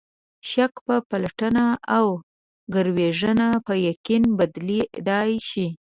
شک په پلټنه او ګروېږنه په یقین بدلېدای شي.